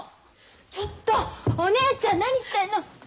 ちょっとお姉ちゃん何してんの？